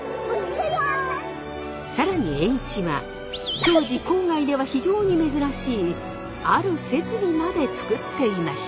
更に栄一は当時郊外では非常に珍しいある設備まで作っていました。